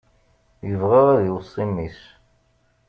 Ibɣa ad iweṣṣi mmi-s.